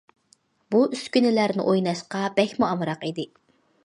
بۇ ئۈسكۈنىلەرنى ئويناشقا بەكمۇ ئامراق ئىدى.